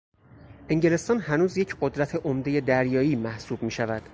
انگلستان هنوز یک قدرت عمدهی دریایی محسوب میشود.